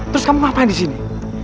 terus kamu ngapain di sini